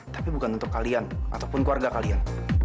tapi bukan untuk kalian ataupun keluarga kalian